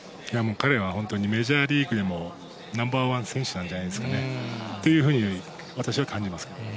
彼は本当にメジャーリーグでもナンバー１選手なんじゃないですかね。というふうに私は感じますけども。